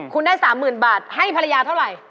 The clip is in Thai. คุณได้๓๐๐๐บาทให้ภรรยาเท่าไหร่